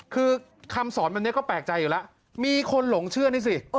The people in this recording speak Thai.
คือคำสอนแบบนี้ก็แปลกใจอยู่แล้วมีคนหลงเชื่อนี่สิ